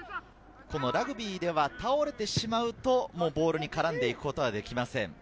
ラグビーでは倒れてしまうとボールに絡んでいくことはできません。